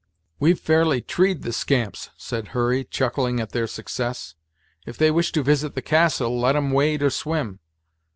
"We've fairly tree'd the scamps," said Hurry, chuckling at their success; "if they wish to visit the castle, let 'em wade or swim!